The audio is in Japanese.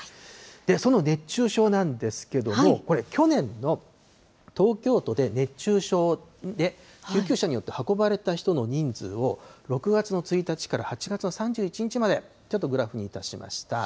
その熱中症なんですけれども、これ、去年の東京都で熱中症で救急車によって運ばれた人の人数を、６月の１日から８月の３１日まで、ちょっとグラフにいたしました。